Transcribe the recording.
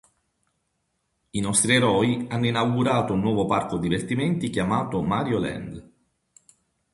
I nostri eroi hanno inaugurato un nuovo parco divertimenti chiamato "Mario Land".